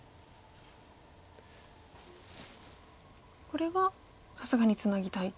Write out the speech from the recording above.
これはさすがにツナぎたい。